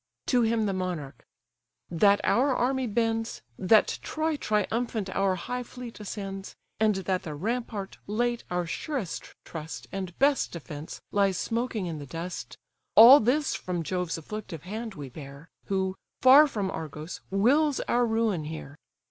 To him the monarch: "That our army bends, That Troy triumphant our high fleet ascends, And that the rampart, late our surest trust And best defence, lies smoking in the dust; All this from Jove's afflictive hand we bear, Who, far from Argos, wills our ruin here.